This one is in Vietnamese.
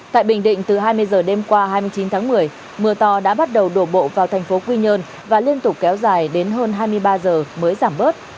tại bình định từ hai mươi h đêm qua hai mươi chín tháng một mươi mưa to đã bắt đầu đổ bộ vào thành phố quy nhơn và liên tục kéo dài đến hơn hai mươi ba giờ mới giảm bớt